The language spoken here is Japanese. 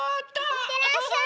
いってらっしゃい！